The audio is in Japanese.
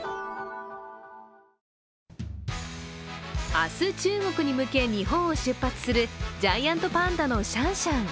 明日、中国に向け、日本を出発するジャイアントパンダのシャンシャン。